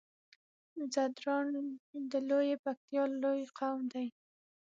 ځدراڼ د لويې پکتيا لوی قوم دی